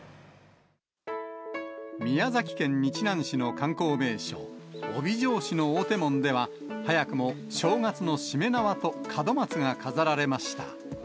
宮崎県日南市の観光名所、飫肥城跡の大手門では、早くも正月のしめ縄と門松が飾られました。